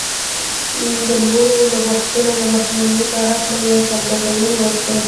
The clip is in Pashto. د لوړو لګښتونو د مخنیوي په هکله یې څرګندونې وکړې